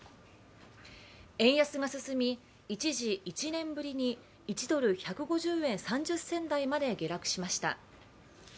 円安が進み、一時、１年ぶりに１ドル＝１５０円３０銭台まで下落しました。